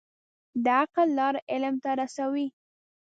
د عقل لار علم ته رسوي.